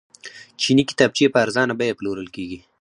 چیني کتابچې په ارزانه بیه پلورل کیږي.